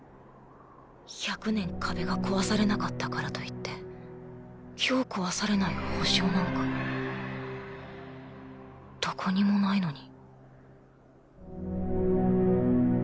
１００年壁が壊されなかったからといって今日壊されない保証なんかどこにもないのに。